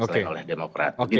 selain oleh demokrat